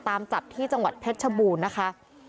ตามจับที่จังหวัดเพชรชบูรณ์นะคะ